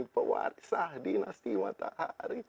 pewarisah dinasti matahari